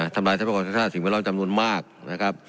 ทำลายทัพประความศาสตร์สิ่งที่เราจำนวนมากนะครับ